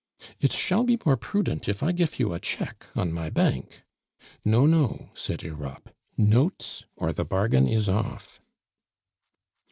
"It shall be more prudent if I gif you a cheque on my bank " "No, no" said Europe. "Notes, or the bargain is off."